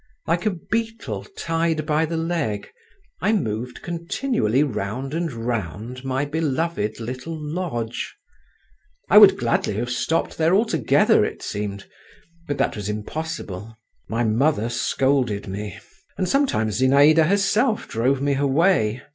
Like a beetle tied by the leg, I moved continually round and round my beloved little lodge. I would gladly have stopped there altogether, it seemed … but that was impossible. My mother scolded me, and sometimes Zinaïda herself drove me away.